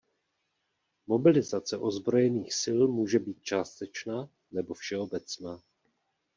Mobilizace ozbrojených sil může být částečná nebo všeobecná.